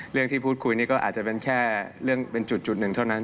เรื่องที่พูดคุยนี่ก็อาจจะเป็นแค่เรื่องเป็นจุดหนึ่งเท่านั้น